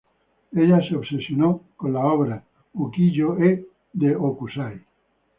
Ella se obsesionó con las obras "ukiyo-e" de Hokusai.